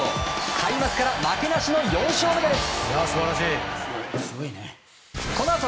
開幕から負けなしの４勝目です。